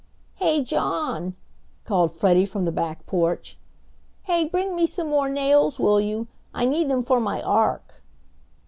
"Hey, John!" called Freddie from the back porch. "Hey, bring me some more nails, will you? I need them for my ark."